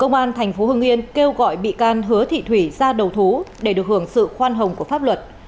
cơ quan thành phố hương yên kêu gọi bị can hứa thị thùy ra đầu thu để được hưởng sự khoan hồng của pháp luật